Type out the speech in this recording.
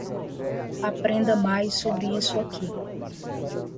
Aprenda mais sobre isso aqui.